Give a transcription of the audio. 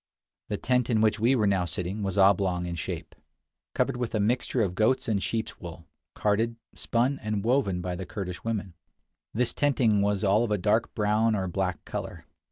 The tent in which we were now sitting was oblong in shape, covered with a mixture of goats' and sheep's wool, carded, spun, and woven by the Kurdish women. This tenting was all of a dark brown or black color.